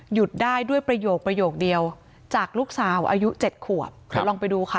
หยุดได้ด้วยประโยคประโยคเดียวจากลูกสาวอายุเจ็ดขวบเดี๋ยวลองไปดูค่ะ